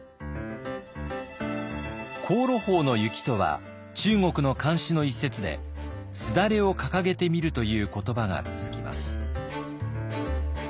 「香炉峰の雪」とは中国の漢詩の一節で「すだれをかかげてみる」という言葉が続きます。